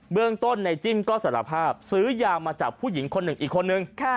เบื้องต้นในจิ้มก็สารภาพซื้อยามาจับผู้หญิงคนอีกคนหนึ่ง